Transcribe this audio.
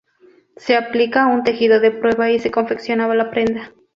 Se aplica a un tejido de prueba y se confecciona la prenda.